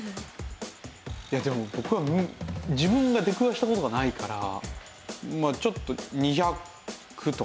いやでも僕は自分が出くわした事がないからまあちょっと２００とか？